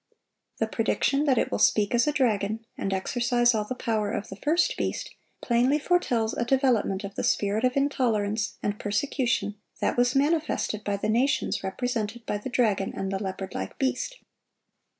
The prediction that it will speak "as a dragon," and exercise "all the power of the first beast," plainly foretells a development of the spirit of intolerance and persecution that was manifested by the nations represented by the dragon and the leopard like beast.